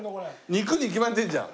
肉に決まってるじゃん！